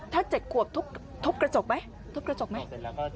ถ้า๗ขวบทุบกระจกไหมทุบกระจกไหม